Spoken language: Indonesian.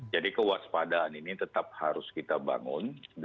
jadi kewaspadaan ini tetap harus kita bangun